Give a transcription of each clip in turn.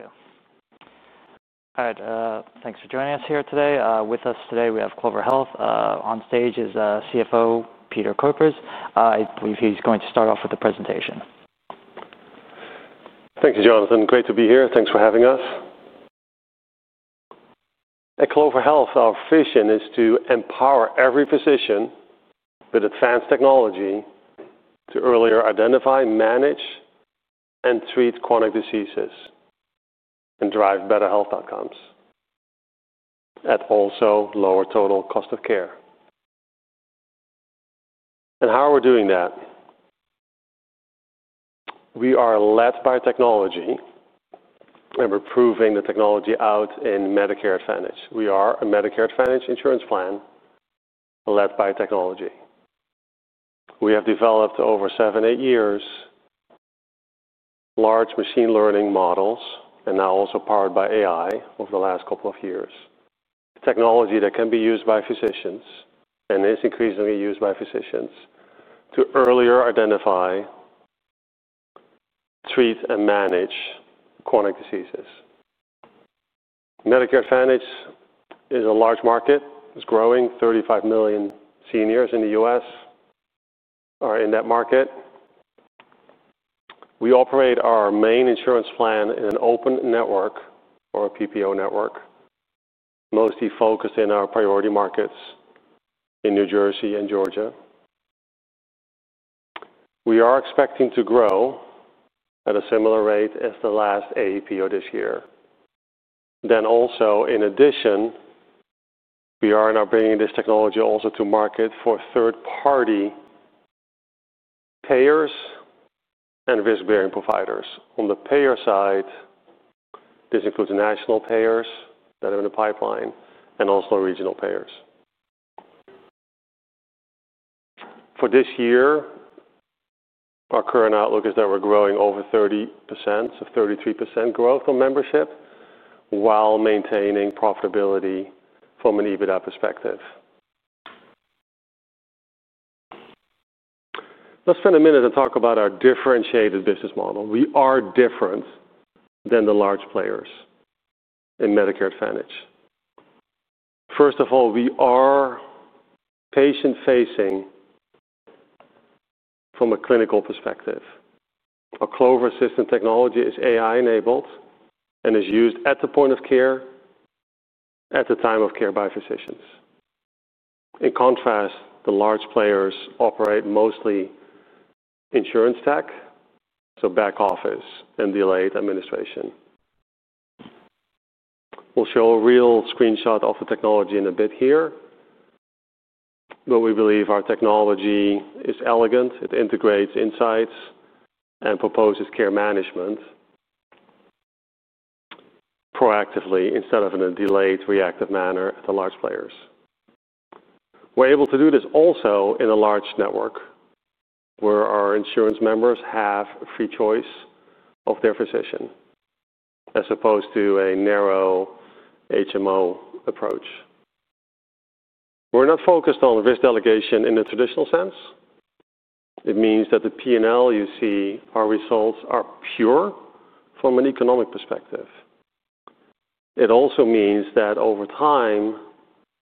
Okay. All right. Thanks for joining us here today. With us today, we have Clover Health. On stage is CFO Peter Kuipers. I believe he's going to start off with the presentation. Thank you, Jonathan. Great to be here. Thanks for having us. At Clover Health, our vision is to empower every physician with advanced technology to earlier identify, manage, and treat chronic diseases and drive better health outcomes at also lower total cost of care. How are we doing that? We are led by technology, and we're proving the technology out in Medicare Advantage. We are a Medicare Advantage insurance plan led by technology. We have developed over seven, eight years' large machine learning models and now also powered by AI over the last couple of years. Technology that can be used by physicians and is increasingly used by physicians to earlier identify, treat, and manage chronic diseases. Medicare Advantage is a large market. It's growing. 35 million seniors in the U.S. are in that market. We operate our main insurance plan in an open network or a PPO network, mostly focused in our priority markets in New Jersey and Georgia. We are expecting to grow at a similar rate as the last AEP this year. In addition, we are now bringing this technology also to market for third-party payers and risk-bearing providers. On the payer side, this includes national payers that are in the pipeline and also regional payers. For this year, our current outlook is that we're growing over 30%, so 33% growth on membership while maintaining profitability from an EBITDA perspective. Let's spend a minute and talk about our differentiated business model. We are different than the large players in Medicare Advantage. First of all, we are patient-facing from a clinical perspective. Our Clover Assistant technology is AI-enabled and is used at the point of care, at the time of care by physicians. In contrast, the large players operate mostly insurance tech, so back office and delayed administration. We'll show a real screenshot of the technology in a bit here, but we believe our technology is elegant. It integrates insights and proposes care management proactively instead of in a delayed, reactive manner at the large players. We're able to do this also in a large network where our insurance members have free choice of their physician as opposed to a narrow HMO approach. We're not focused on risk delegation in the traditional sense. It means that the P&L you see, our results are pure from an economic perspective. It also means that over time,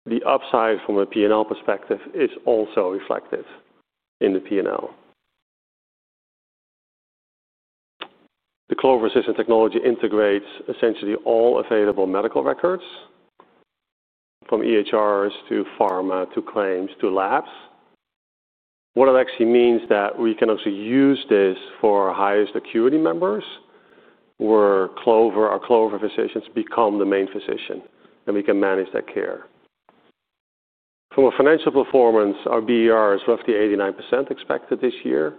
the upside from a P&L perspective is also reflected in the P&L. The Clover Assistant technology integrates essentially all available medical records from EHRs to pharma to claims to labs. What it actually means is that we can also use this for our highest acuity members where our Clover physicians become the main physician, and we can manage their care. From a financial performance, our BER is roughly 89% expected this year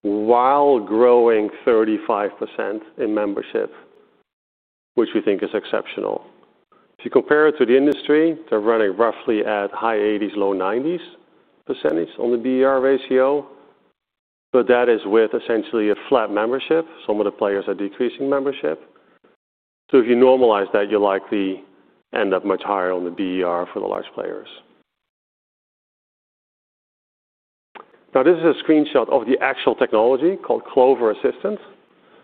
while growing 35% in membership, which we think is exceptional. If you compare it to the industry, they're running roughly at high 80s, low 90s percentage on the BER ratio, but that is with essentially a flat membership. Some of the players are decreasing membership. If you normalize that, you'll likely end up much higher on the BER for the large players. Now, this is a screenshot of the actual technology called Clover Assistant.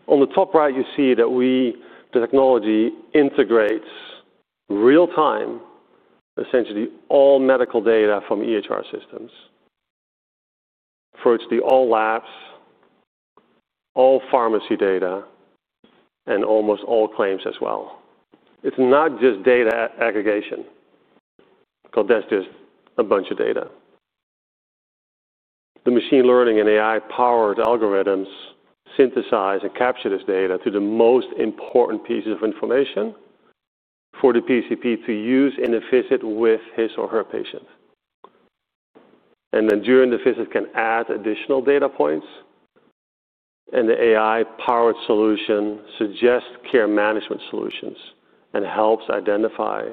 On the top right, you see that the technology integrates real-time, essentially all medical data from EHR systems. For it's the all labs, all pharmacy data, and almost all claims as well. It's not just data aggregation because that's just a bunch of data. The machine learning and AI-powered algorithms synthesize and capture this data to the most important pieces of information for the PCP to use in a visit with his or her patient. During the visit, can add additional data points, and the AI-powered solution suggests care management solutions and helps identify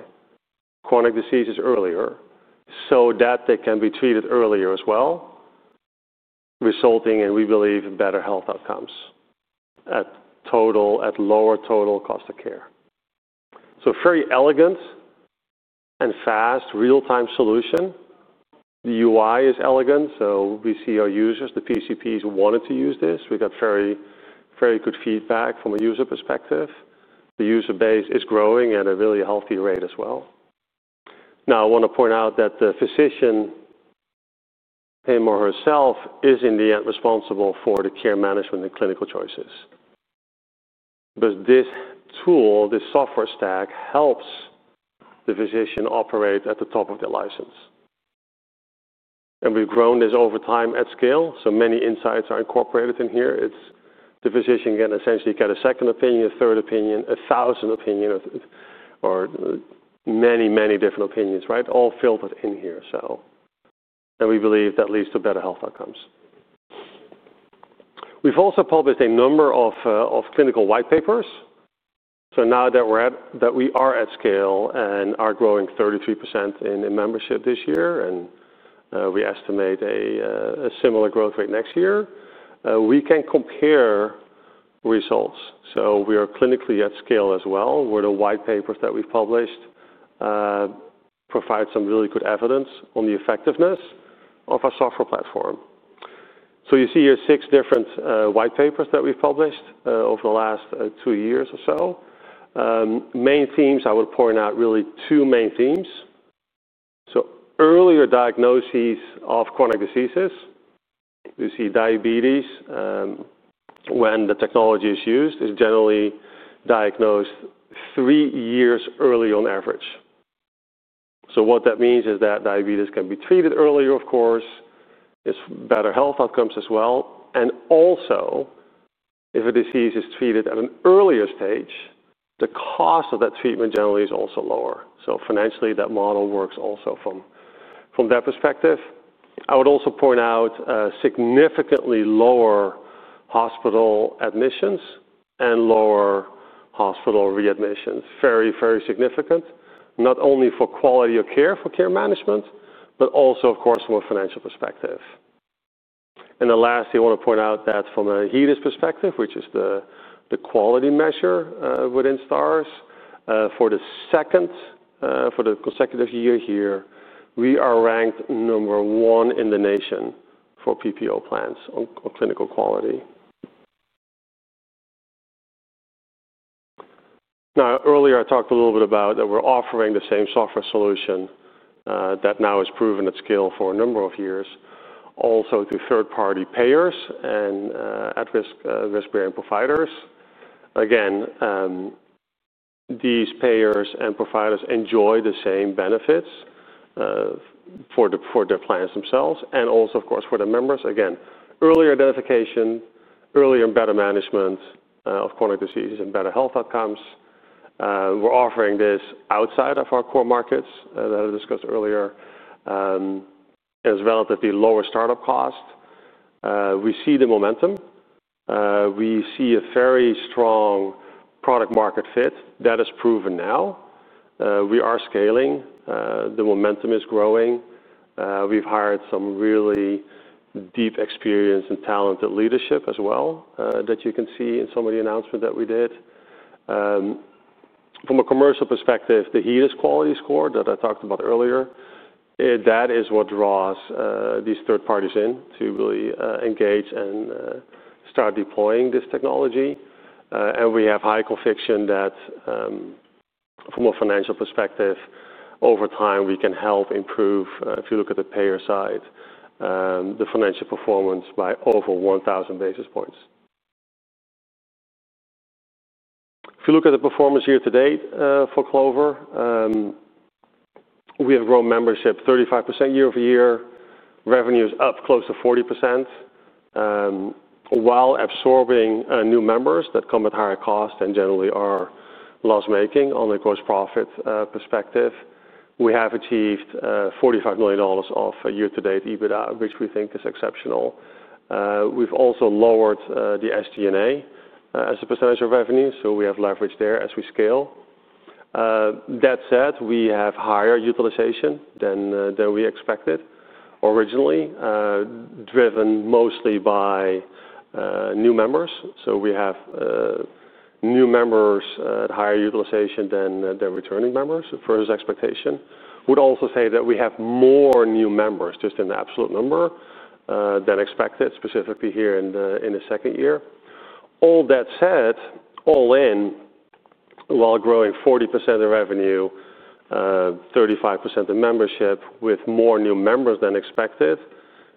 chronic diseases earlier so that they can be treated earlier as well, resulting in, we believe, better health outcomes at lower total cost of care. Very elegant and fast, real-time solution. The UI is elegant, so we see our users, the PCPs wanted to use this. We got very good feedback from a user perspective. The user base is growing at a really healthy rate as well. Now, I want to point out that the physician him or herself is in the end responsible for the care management and clinical choices. This tool, this software stack, helps the physician operate at the top of their license. We have grown this over time at scale, so many insights are incorporated in here. The physician can essentially get a second opinion, a third opinion, a thousand opinions, or many, many different opinions, right? All filtered in here. We believe that leads to better health outcomes. We have also published a number of clinical white papers. Now that we are at scale and are growing 33% in membership this year, and we estimate a similar growth rate next year, we can compare results. We are clinically at scale as well, where the white papers that we've published provide some really good evidence on the effectiveness of our software platform. You see here six different white papers that we've published over the last two years or so. Main themes, I would point out really two main themes. Earlier diagnoses of chronic diseases. You see diabetes, when the technology is used, is generally diagnosed three years early on average. What that means is that diabetes can be treated earlier, of course, is better health outcomes as well. Also, if a disease is treated at an earlier stage, the cost of that treatment generally is also lower. Financially, that model works also from that perspective. I would also point out significantly lower hospital admissions and lower hospital readmissions. Very, very significant, not only for quality of care for care management, but also, of course, from a financial perspective. Lastly, I want to point out that from a HEDIS perspective, which is the quality measure within Stars, for the second consecutive year here, we are ranked number one in the nation for PPO plans on clinical quality. Earlier, I talked a little bit about that we're offering the same software solution that now is proven at scale for a number of years, also to third-party payers and at-risk risk-bearing providers. Again, these payers and providers enjoy the same benefits for their plans themselves and also, of course, for their members. Again, earlier identification, earlier and better management of chronic diseases and better health outcomes. We're offering this outside of our core markets that I discussed earlier as well as at the lower startup cost. We see the momentum. We see a very strong product-market fit that is proven now. We are scaling. The momentum is growing. We've hired some really deep experience and talented leadership as well that you can see in some of the announcements that we did. From a commercial perspective, the HEDIS quality score that I talked about earlier, that is what draws these third parties in to really engage and start deploying this technology. We have high conviction that from a financial perspective, over time, we can help improve, if you look at the payer side, the financial performance by over 1,000 basis points. If you look at the performance year to date for Clover, we have grown membership 35% year-over-year. Revenue is up close to 40%. While absorbing new members that come at higher cost and generally are loss-making on a gross profit perspective, we have achieved $45 million of year-to-date EBITDA, which we think is exceptional. We've also lowered the SG&A as a percentage of revenue, so we have leverage there as we scale. That said, we have higher utilization than we expected originally, driven mostly by new members. We have new members at higher utilization than returning members, for his expectation. We'd also say that we have more new members, just an absolute number, than expected, specifically here in the second year. All that said, all in, while growing 40% of revenue, 35% of membership with more new members than expected,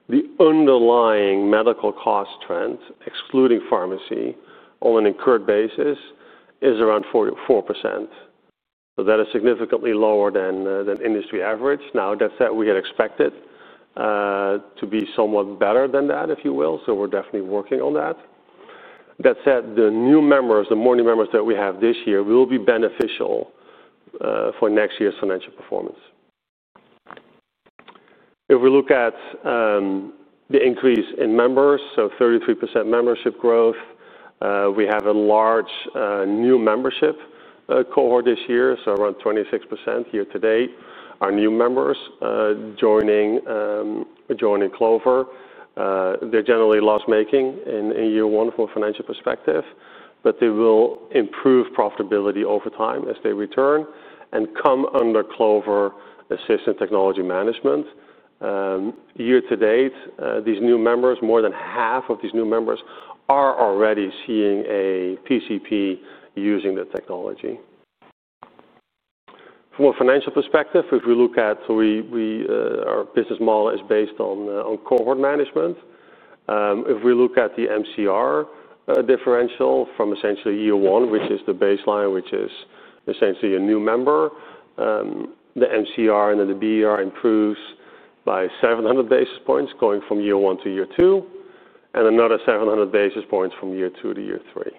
the underlying medical cost trend, excluding pharmacy on an incurred basis, is around 44%. That is significantly lower than industry average. Now, that said, we had expected to be somewhat better than that, if you will, so we're definitely working on that. That said, the new members, the more new members that we have this year will be beneficial for next year's financial performance. If we look at the increase in members, so 33% membership growth, we have a large new membership cohort this year, so around 26% year to date. Our new members joining Clover, they're generally loss-making in year one from a financial perspective, but they will improve profitability over time as they return and come under Clover Assistant technology management. Year to date, these new members, more than half of these new members are already seeing a PCP using the technology. From a financial perspective, if we look at our business model, it is based on cohort management. If we look at the MCR differential from essentially year one, which is the baseline, which is essentially a new member, the MCR and then the BER improves by 700 basis points going from year one to year two and another 700 basis points from year two to year three.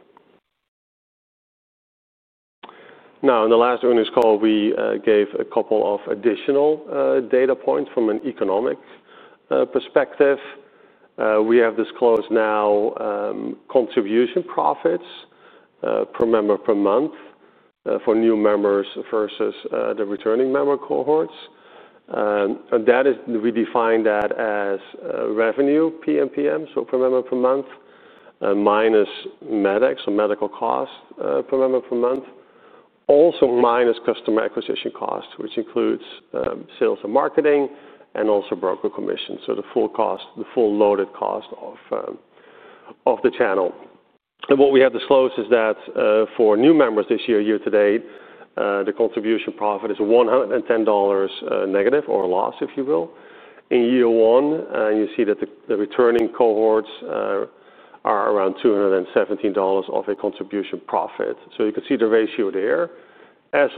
Now, in the last earnings call, we gave a couple of additional data points from an economic perspective. We have disclosed now contribution profits per member per month for new members versus the returning member cohorts. And we define that as revenue, PMPM, so per member per month, minus medic, so medical cost per member per month, also minus customer acquisition cost, which includes sales and marketing and also broker commission, so the full loaded cost of the channel. What we have disclosed is that for new members this year, year to date, the contribution profit is $110 negative or a loss, if you will. In year one, you see that the returning cohorts are around $217 of a contribution profit. You can see the ratio there. As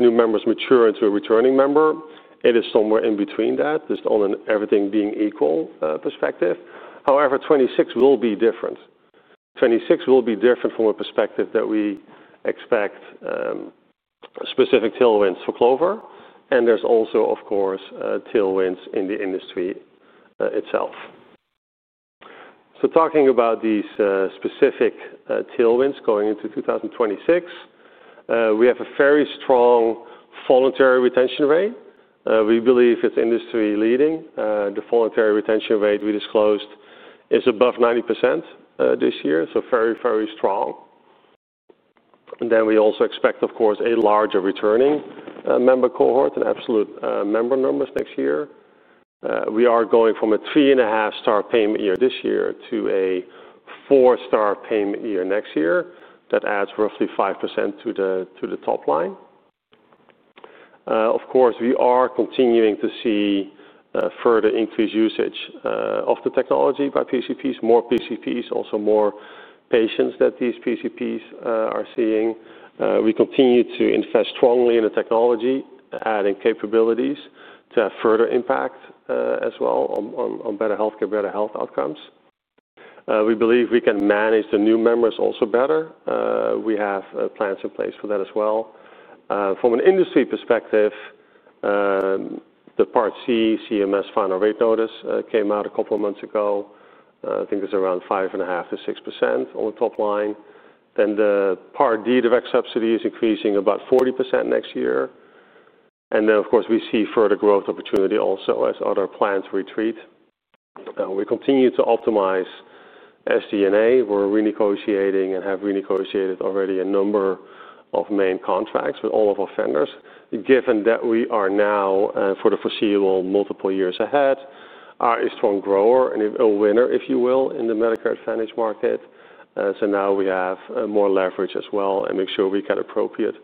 new members mature into a returning member, it is somewhere in between that, just on an everything being equal perspective. However, 2026 will be different. 2026 will be different from a perspective that we expect specific tailwinds for Clover, and there are also, of course, tailwinds in the industry itself. Talking about these specific tailwinds going into 2026, we have a very strong voluntary retention rate. We believe it is industry-leading. The voluntary retention rate we disclosed is above 90% this year, so very, very strong. We also expect, of course, a larger returning member cohort and absolute member numbers next year. We are going from a three-and-a-half-star payment year this year to a four-star payment year next year. That adds roughly 5% to the top line. Of course, we are continuing to see further increased usage of the technology by PCPs, more PCPs, also more patients that these PCPs are seeing. We continue to invest strongly in the technology, adding capabilities to have further impact as well on better healthcare, better health outcomes. We believe we can manage the new members also better. We have plans in place for that as well. From an industry perspective, the Part C CMS final rate notice came out a couple of months ago. I think it's around 5.5%-6% on the top line. The Part D direct subsidy is increasing about 40% next year. Of course, we see further growth opportunity also as other plans retreat. We continue to optimize SG&A. We're renegotiating and have renegotiated already a number of main contracts with all of our vendors. Given that we are now for the foreseeable multiple years ahead, are a strong grower and a winner, if you will, in the Medicare Advantage market. Now we have more leverage as well and make sure we get appropriate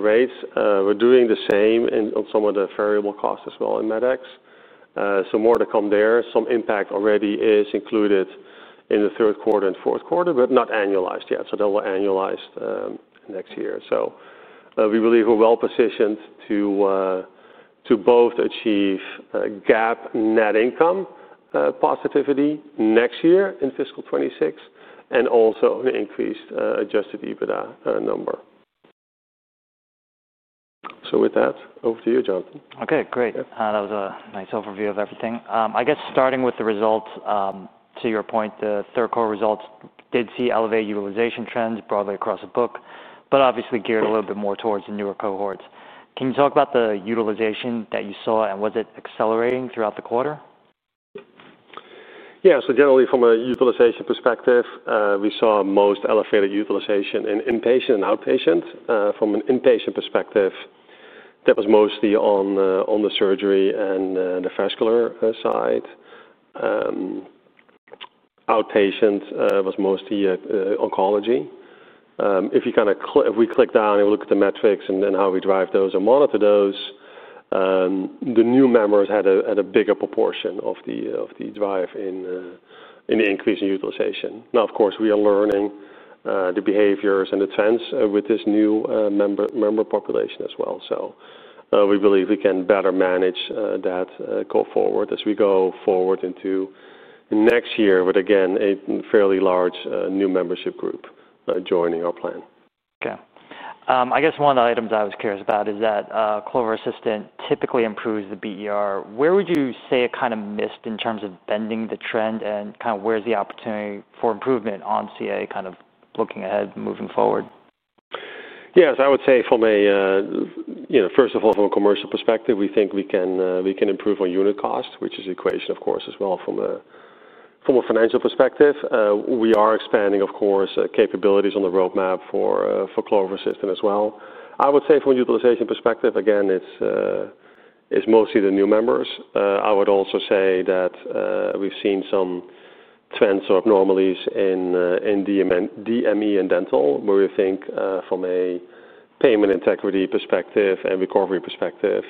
rates. We're doing the same on some of the variable costs as well in medics, so more to come there. Some impact already is included in the third quarter and fourth quarter, but not annualized yet, so they will be annualized next year. We believe we're well positioned to both achieve GAAP net income positivity next year in fiscal 2026 and also the increased adjusted EBITDA number. With that, over to you, Jonathan. Okay, great. That was a nice overview of everything. I guess starting with the results, to your point, the third quarter results did see elevated utilization trends broadly across the book, but obviously geared a little bit more towards the newer cohorts. Can you talk about the utilization that you saw, and was it accelerating throughout the quarter? Yeah, so generally from a utilization perspective, we saw most elevated utilization in inpatient and outpatient. From an inpatient perspective, that was mostly on the surgery and the vascular side. Outpatient was mostly oncology. If we click down and look at the metrics and how we drive those and monitor those, the new members had a bigger proportion of the drive in the increase in utilization. Now, of course, we are learning the behaviors and the trends with this new member population as well. We believe we can better manage that go forward as we go forward into next year with, again, a fairly large new membership group joining our plan. Okay. I guess one of the items I was curious about is that Clover Assistant typically improves the BER. Where would you say it kind of missed in terms of bending the trend and kind of where's the opportunity for improvement on CA, kind of looking ahead, moving forward? Yes, I would say from a, first of all, from a commercial perspective, we think we can improve on unit cost, which is the equation, of course, as well from a financial perspective. We are expanding, of course, capabilities on the roadmap for Clover Assistant as well. I would say from a utilization perspective, again, it's mostly the new members. I would also say that we've seen some trends or abnormalities in DME and dental where we think from a payment integrity perspective and recovery perspective,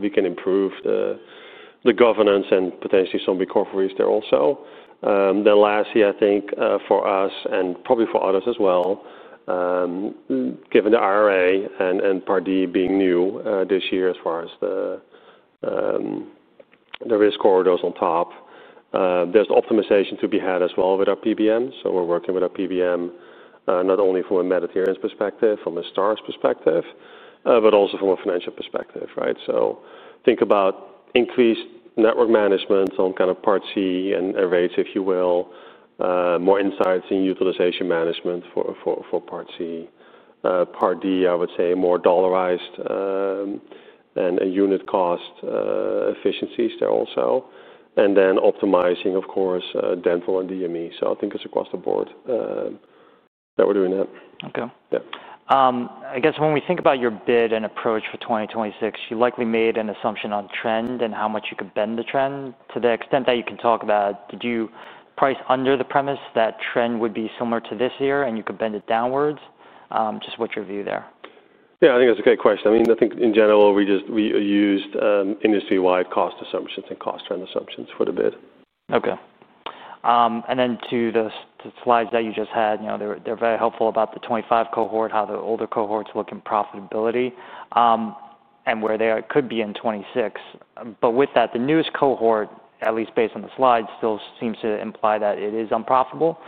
we can improve the governance and potentially some recoveries there also. Lastly, I think for us and probably for others as well, given the IRA and Part D being new this year as far as the risk corridors on top, there's optimization to be had as well with our PBM. We're working with our PBM not only from a Medicare Advantage perspective, from a Stars perspective, but also from a financial perspective, right? Think about increased network management on kind of Part C and rates, if you will, more insights in utilization management for Part C. Part D, I would say, more dollarized and unit cost efficiencies there also. Then optimizing, of course, dental and DME. I think it's across the board that we're doing that. Okay. I guess when we think about your bid and approach for 2026, you likely made an assumption on trend and how much you could bend the trend. To the extent that you can talk about, did you price under the premise that trend would be similar to this year and you could bend it downwards? Just what's your view there? Yeah, I think that's a great question. I mean, I think in general, we used industry-wide cost assumptions and cost trend assumptions for the bid. Okay. And then to the slides that you just had, they're very helpful about the 2025 cohort, how the older cohorts look in profitability and where they could be in 2026. With that, the newest cohort, at least based on the slides, still seems to imply that it is unprofitable,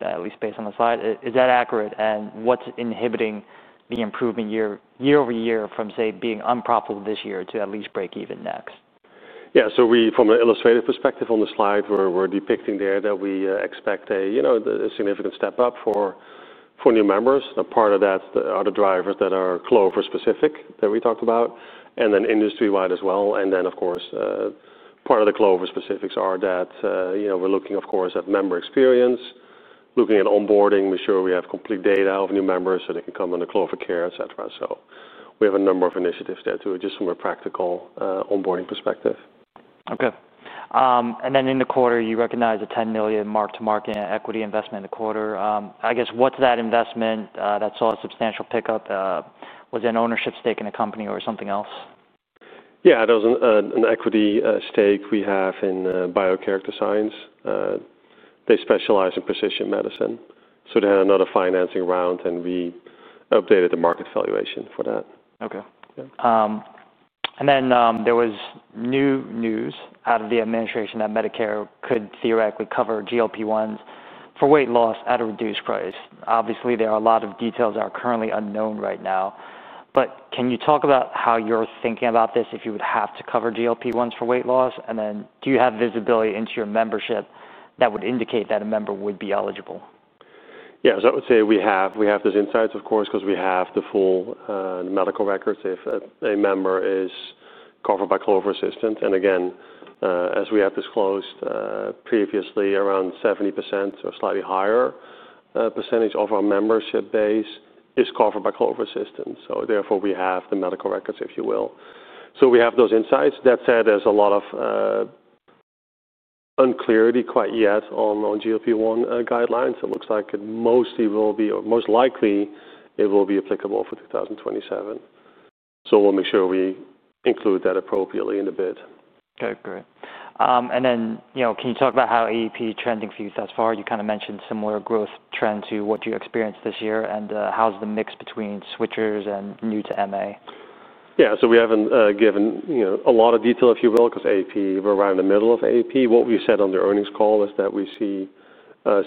at least based on the slide. Is that accurate? What's inhibiting the improvement year-over-year from, say, being unprofitable this year to at least break even next? Yeah, so from an illustrative perspective on the slide, we're depicting there that we expect a significant step up for new members. Part of that are the drivers that are Clover specific that we talked about, and then industry-wide as well. Of course, part of the Clover specifics are that we're looking, of course, at member experience, looking at onboarding, make sure we have complete data of new members so they can come on the Clover care, etc. We have a number of initiatives there too, just from a practical onboarding perspective. Okay. In the quarter, you recognize a $10 million mark-to-market equity investment in the quarter. I guess what's that investment that saw a substantial pickup? Was it an ownership stake in a company or something else? Yeah, there was an equity stake we have in Biochar Science. They specialize in precision medicine. So they had another financing round, and we updated the market valuation for that. Okay. There was new news out of the administration that Medicare could theoretically cover GLP-1s for weight loss at a reduced price. Obviously, there are a lot of details that are currently unknown right now. Can you talk about how you're thinking about this if you would have to cover GLP-1s for weight loss? Do you have visibility into your membership that would indicate that a member would be eligible? Yes, I would say we have. We have those insights, of course, because we have the full medical records if a member is covered by Clover Assistant. As we have disclosed previously, around 70% or slightly higher percentage of our membership base is covered by Clover Assistant. Therefore, we have the medical records, if you will. We have those insights. That said, there is a lot of unclarity quite yet on GLP-1 guidelines. It looks like it mostly will be, or most likely it will be applicable for 2027. We will make sure we include that appropriately in the bid. Okay, great. Can you talk about how AEP is trending for you thus far? You kind of mentioned similar growth trend to what you experienced this year. How's the mix between switchers and new to MA? Yeah, so we haven't given a lot of detail, if you will, because we're around the middle of AEP. What we said on the earnings call is that we see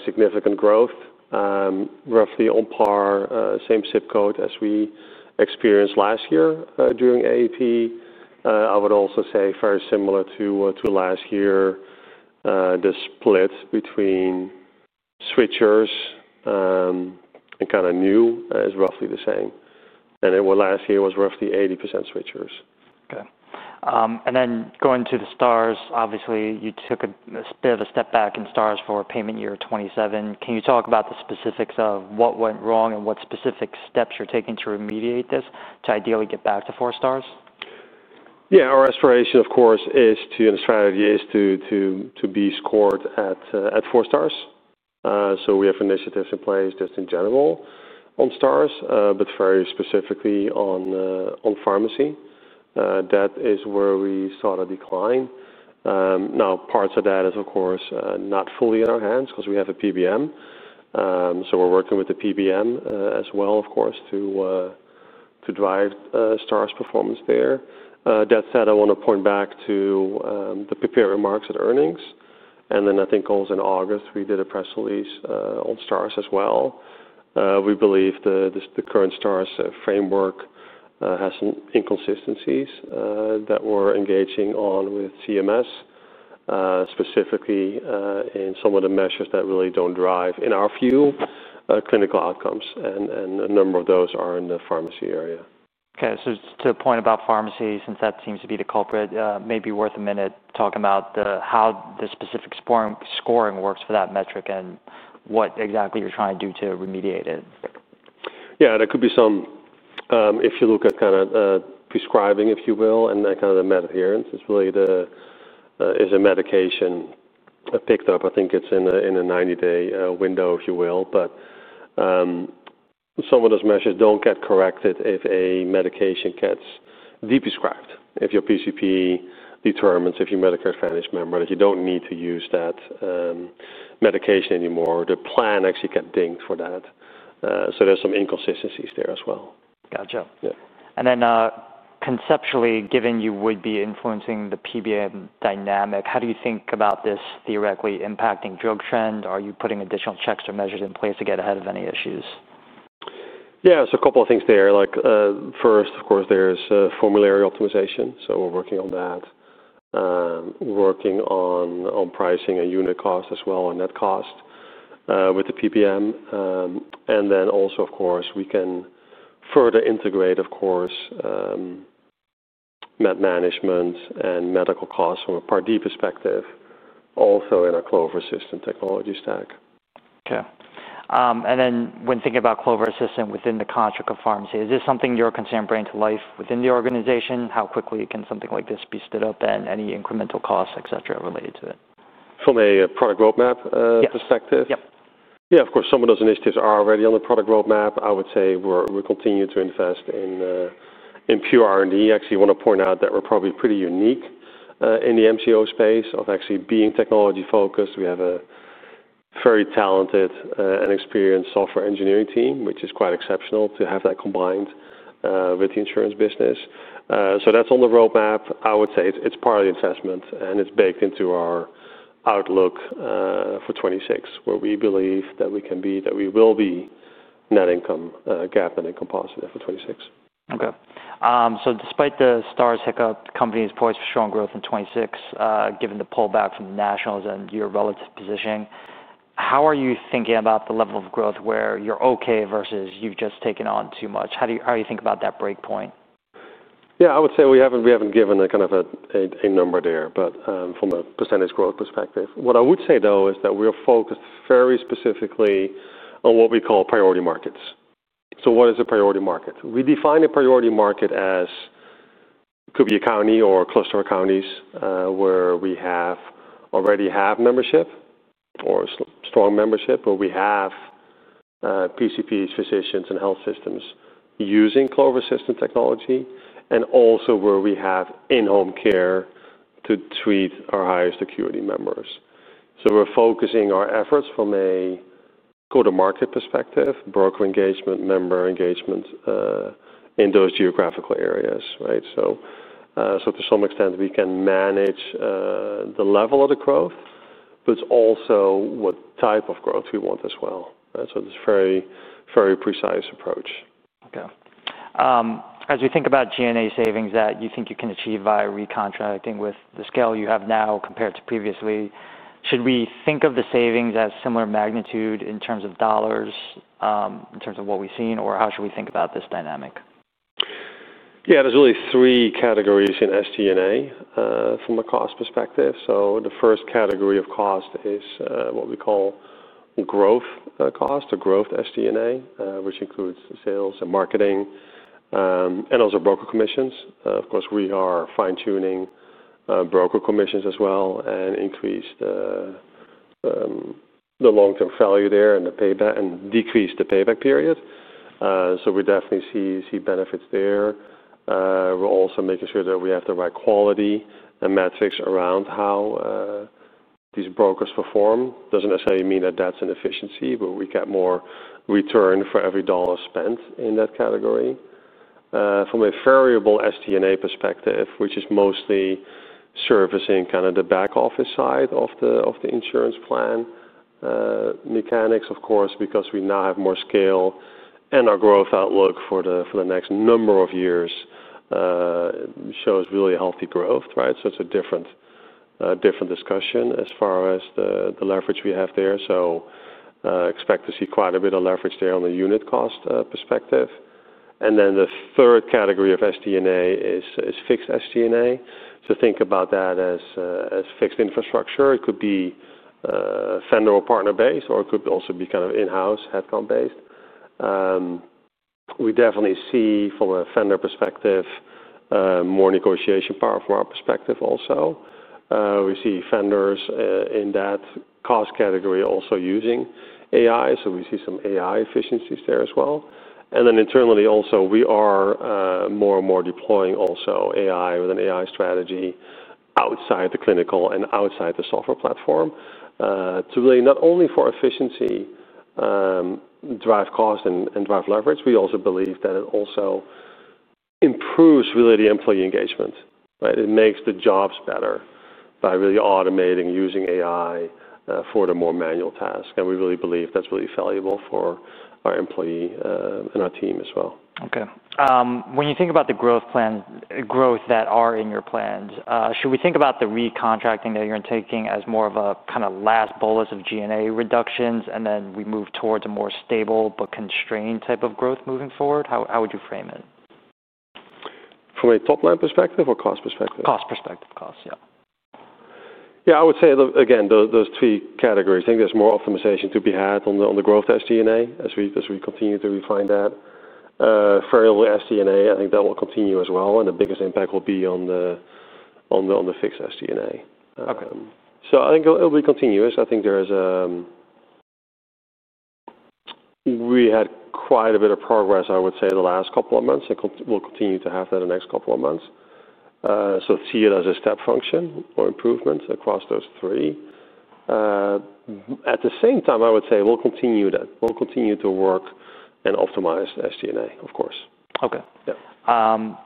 significant growth roughly on our same ZIP code as we experienced last year during AEP. I would also say very similar to last year, the split between switchers and kind of new is roughly the same. And last year was roughly 80% switchers. Okay. Going to the Stars, obviously, you took a bit of a step back in Stars for payment year 2027. Can you talk about the specifics of what went wrong and what specific steps you're taking to remediate this to ideally get back to four Stars? Yeah, our aspiration, of course, is to, and the strategy is to be scored at four Stars. We have initiatives in place just in general on Stars, but very specifically on pharmacy. That is where we saw a decline. Now, parts of that are, of course, not fully in our hands because we have a PBM. We are working with the PBM as well, of course, to drive Stars performance there. That said, I want to point back to the prepared remarks at earnings. I think also in August, we did a press release on Stars as well. We believe the current Stars framework has some inconsistencies that we are engaging on with CMS, specifically in some of the measures that really do not drive, in our view, clinical outcomes. A number of those are in the pharmacy area. Okay. To a point about pharmacy, since that seems to be the culprit, maybe worth a minute talking about how the specific scoring works for that metric and what exactly you're trying to do to remediate it. Yeah, there could be some. If you look at kind of prescribing, if you will, and kind of the med adherence, it's really the, is a medication picked up. I think it's in a 90-day window, if you will. Some of those measures don't get corrected if a medication gets de-prescribed. If your PCP determines, if your Medicare Advantage member, that you don't need to use that medication anymore, the plan actually gets dinged for that. There are some inconsistencies there as well. Gotcha. And then conceptually, given you would be influencing the PBM dynamic, how do you think about this theoretically impacting drug trend? Are you putting additional checks or measures in place to get ahead of any issues? Yeah, so a couple of things there. First, of course, there's formulary optimization. We're working on that. We're working on pricing and unit cost as well and net cost with the PBM. Also, of course, we can further integrate, of course, med management and medical costs from a Part D perspective, also in our Clover Assistant technology stack. Okay. And then when thinking about Clover Assistant within the contract of pharmacy, is this something you're considering bringing to life within the organization? How quickly can something like this be stood up and any incremental costs, etc., related to it? From a product roadmap perspective. Yep. Yeah, of course. Some of those initiatives are already on the product roadmap. I would say we're continuing to invest in pure R&D. Actually, I want to point out that we're probably pretty unique in the MCO space of actually being technology-focused. We have a very talented and experienced software engineering team, which is quite exceptional to have that combined with the insurance business. That is on the roadmap. I would say it's part of the investment, and it's baked into our outlook for 2026, where we believe that we can be, that we will be net income GAAP, net income positive for 2026. Okay. So despite the Stars hiccup, the company is poised for strong growth in 2026, given the pullback from nationals and your relative positioning. How are you thinking about the level of growth where you're okay versus you've just taken on too much? How do you think about that breakpoint? Yeah, I would say we haven't given a kind of a number there. From a percentage growth perspective, what I would say, though, is that we are focused very specifically on what we call priority markets. What is a priority market? We define a priority market as it could be a county or cluster of counties where we already have membership or strong membership, where we have PCPs, physicians, and health systems using Clover Assistant technology, and also where we have in-home care to treat our highest acuity members. We are focusing our efforts from a go-to-market perspective, broker engagement, member engagement in those geographical areas, right? To some extent, we can manage the level of the growth, but it's also what type of growth we want as well. It's a very, very precise approach. Okay. As we think about G&A savings that you think you can achieve by recontracting with the scale you have now compared to previously, should we think of the savings as similar magnitude in terms of dollars, in terms of what we've seen, or how should we think about this dynamic? Yeah, there's really three categories in SG&A from a cost perspective. The first category of cost is what we call growth cost or growth SG&A, which includes sales and marketing and also broker commissions. Of course, we are fine-tuning broker commissions as well and increase the long-term value there and decrease the payback period. We definitely see benefits there. We're also making sure that we have the right quality and metrics around how these brokers perform. Doesn't necessarily mean that that's an efficiency, but we get more return for every dollar spent in that category. From a variable SG&A perspective, which is mostly servicing kind of the back office side of the insurance plan mechanics, of course, because we now have more scale and our growth outlook for the next number of years shows really healthy growth, right? It's a different discussion as far as the leverage we have there. Expect to see quite a bit of leverage there on the unit cost perspective. The third category of SG&A is fixed SG&A. Think about that as fixed infrastructure. It could be vendor or partner-based, or it could also be kind of in-house headcount-based. We definitely see from a vendor perspective more negotiation power from our perspective also. We see vendors in that cost category also using AI. We see some AI efficiencies there as well. Internally also, we are more and more deploying also AI with an AI strategy outside the clinical and outside the software platform to really not only for efficiency, drive cost, and drive leverage. We also believe that it also improves really the employee engagement, right? It makes the jobs better by really automating using AI for the more manual tasks. We really believe that's really valuable for our employee and our team as well. Okay. When you think about the growth plans, growth that are in your plans, should we think about the recontracting that you're taking as more of a kind of last bolus of G&A reductions and then we move towards a more stable but constrained type of growth moving forward? How would you frame it? From a top-line perspective or cost perspective? Cost perspective. Cost, yeah. Yeah, I would say, again, those three categories. I think there's more optimization to be had on the growth SG&A as we continue to refine that. Variable SG&A, I think that will continue as well. The biggest impact will be on the fixed SG&A. I think it'll be continuous. I think we had quite a bit of progress, I would say, in the last couple of months. We'll continue to have that in the next couple of months. See it as a step function or improvement across those three. At the same time, I would say we'll continue to work and optimize SG&A, of course. Okay.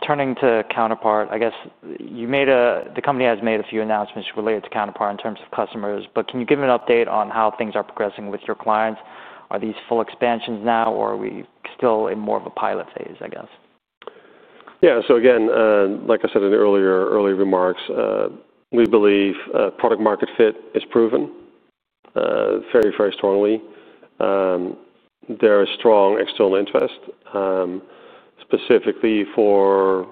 Turning to Counterpart, I guess the company has made a few announcements related to Counterpart in terms of customers, but can you give an update on how things are progressing with your clients? Are these full expansions now, or are we still in more of a pilot phase, I guess? Yeah. So again, like I said in earlier remarks, we believe product-market fit is proven very, very strongly. There is strong external interest, specifically for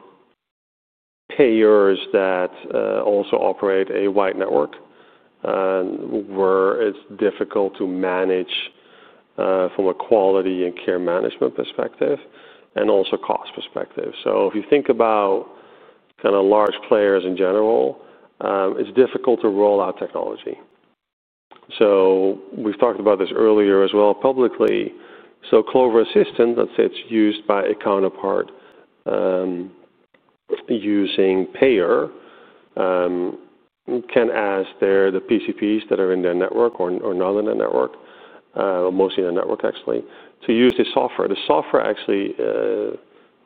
payers that also operate a wide network where it's difficult to manage from a quality and care management perspective and also cost perspective. If you think about kind of large players in general, it's difficult to roll out technology. We've talked about this earlier as well publicly. Clover Assistant, let's say it's used by a Counterpart using payer, can ask the PCPs that are in their network or not in their network, mostly in their network, actually, to use the software. The software actually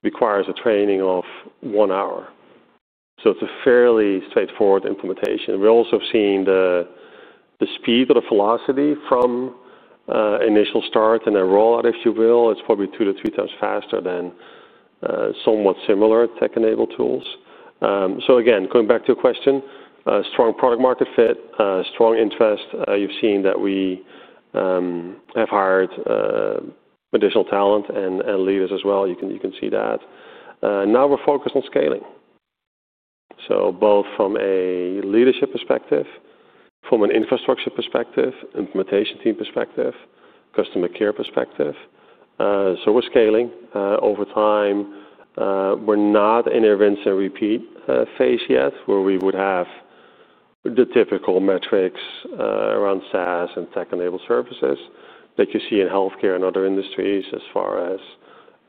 requires a training of one hour. It's a fairly straightforward implementation. We also have seen the speed or the velocity from initial start and then rollout, if you will. It's probably two to three times faster than somewhat similar tech-enabled tools. Again, going back to your question, strong product-market fit, strong interest. You've seen that we have hired additional talent and leaders as well. You can see that. Now we're focused on scaling. Both from a leadership perspective, from an infrastructure perspective, implementation team perspective, customer care perspective. We're scaling over time. We're not in a rinse and repeat phase yet where we would have the typical metrics around SaaS and tech-enabled services that you see in healthcare and other industries as far as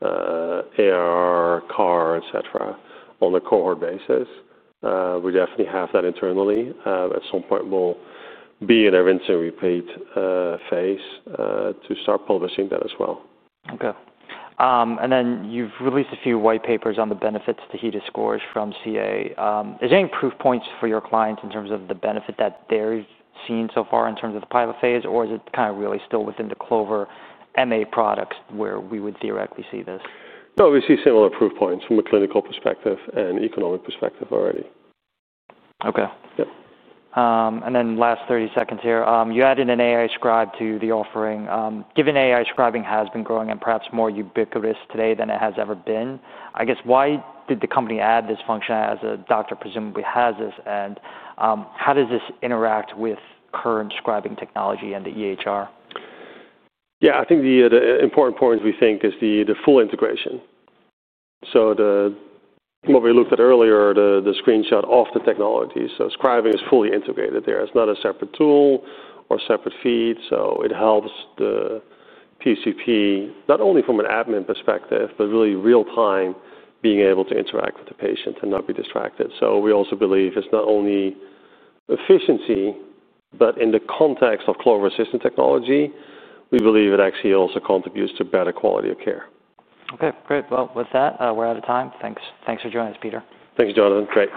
AR, car, etc., on a cohort basis. We definitely have that internally. At some point, we'll be in a rinse and repeat phase to start publishing that as well. Okay. You released a few white papers on the benefits to HEDIS scores from CA. Is there any proof points for your clients in terms of the benefit that they've seen so far in terms of the pilot phase, or is it kind of really still within the Clover MA products where we would theoretically see this? No, we see similar proof points from a clinical perspective and economic perspective already. Okay. And then last 30 seconds here. You added an AI scribe to the offering. Given AI scribing has been growing and perhaps more ubiquitous today than it has ever been, I guess, why did the company add this function as a doctor presumably has this, and how does this interact with current scribing technology and the EHR? Yeah, I think the important point we think is the full integration. What we looked at earlier, the screenshot of the technology. Scribing is fully integrated there. It's not a separate tool or a separate feed. It helps the PCP not only from an admin perspective, but really real-time being able to interact with the patient and not be distracted. We also believe it's not only efficiency, but in the context of Clover Assistant technology, we believe it actually also contributes to better quality of care. Okay. Great. With that, we're out of time. Thanks for joining us, Peter. Thanks, Jonathan. Great.